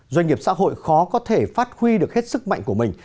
doanh nghiệp xã hội khó có thể phát huy được hết sức mạnh của mình